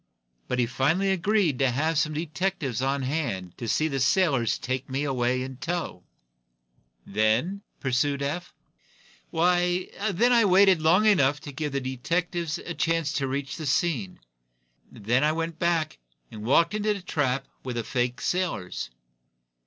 But he finally agreed to have some detectives on hand to see the sailors take me away in tow." "Then ?" pursued Eph. "Why, then I waited long enough to give the detectives a chance to reach the scene. Then I went back and walked into the trap with the fake sailors."